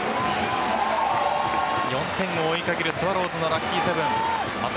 ４点を追いかけるスワローズのラッキーセブン。